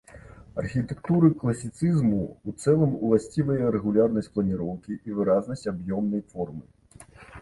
Архітэктуры класіцызму ў цэлым уласцівая рэгулярнасць планіроўкі і выразнасць аб'ёмнай формы.